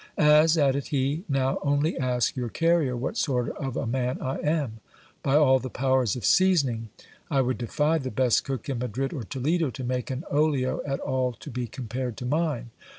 As, added he, now only ask your carrier what sort of a man I am. By all the powers of seasoning! I would defy the best cook in Madrid or Toledo to make an olio at all to be compared to mine.